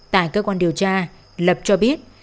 tại cơ quan điều tra lập cho biết